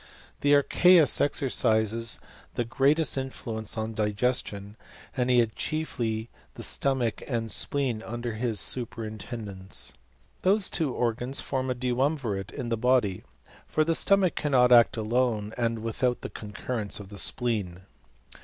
Hie archeus exercises the greatest influence on digestion, and he has chiefly the stomach and spleen under his superintendence. These two organs form a duumvirate in the body; for the stomach cannot act alone and without the concurrence of the spleen.